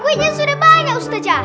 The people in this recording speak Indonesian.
kuenya sudah banyak ustazah